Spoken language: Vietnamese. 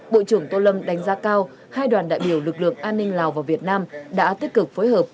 bộ trưởng tô lâm đánh giá cao hai đoàn đại biểu lực lượng an ninh lào và việt nam đã tích cực phối hợp